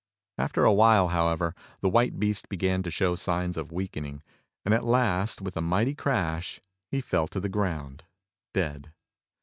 After a while, however, the white beast began to show signs of weakening; and at last with a mighty crash, he fell to the ground — dead.